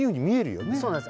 そうなんです。